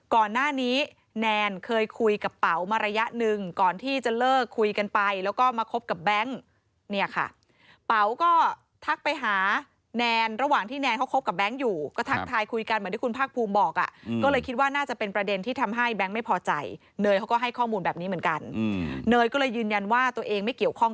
ก่อนหน้านี้แนนเคยคุยกับเป๋ามาระยะหนึ่งก่อนที่จะเลิกคุยกันไปแล้วก็มาคบกับแบงค์เนี่ยค่ะเป๋าก็ทักไปหาแนนระหว่างที่แนนเขาคบกับแบงค์อยู่ก็ทักทายคุยกันเหมือนที่คุณภาคภูมิบอกอ่ะก็เลยคิดว่าน่าจะเป็นประเด็นที่ทำให้แบงค์ไม่พอใจเนยเขาก็ให้ข้อมูลแบบนี้เหมือนกันเนยก็เลยยืนยันว่าตัวเองไม่เกี่ยวข้อง